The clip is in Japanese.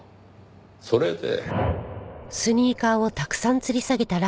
それで。